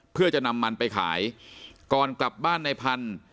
เพื่อจะนำมันไปขายก่อนกลับบ้านในพันธุ์